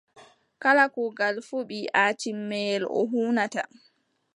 Kala kuugal fuu ɓii atiimiyel o huunata.